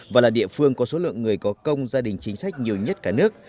và là địa phương có số lượng người có công gia đình chính sách nhiều nhất cả nước